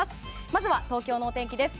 まずは東京のお天気です。